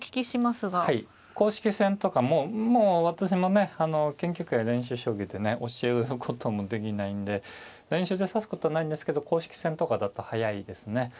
公式戦とかもう私もね研究会や練習将棋でね教えることもできないんで練習で指すことはないんですけど公式戦とかだと速いですね。